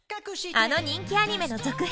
あの人気アニメの続編